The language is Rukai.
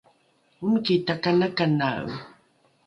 omiki takanakanae